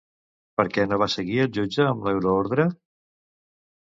Per què no va seguir el jutge amb l'euroordre?